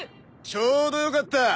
ちょうどよかった。